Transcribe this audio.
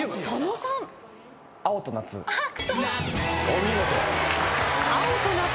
お見事。